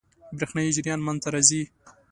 برېښنايي جریان منځ ته راځي.